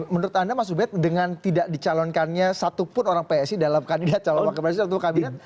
menurut anda mas ubed dengan tidak dicalonkannya satupun orang psi dalam kandidat calon wakil presiden atau kabinet